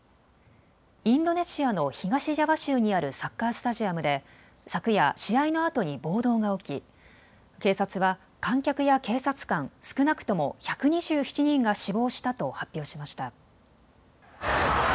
インドネシアの東ジャワ州にあるサッカースタジアムで昨夜試合のあとに暴動が起き警察は観客や警察官、少なくとも１２７人が死亡したと発表しました。